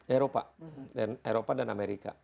eropa eropa dan amerika